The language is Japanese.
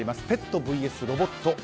ペットＶＳロボット